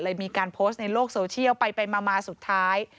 มีการโพสต์ในโลกโซเชียลไปมาสุดท้าย